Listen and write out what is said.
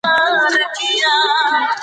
ولې د ټولنیزو اصولو مخالفت مه کوې؟